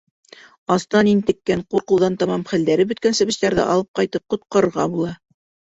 Астан интеккән, ҡурҡыуҙан тамам хәлдәре бөткән себештәрҙе алып ҡайтып, ҡотҡарырға була.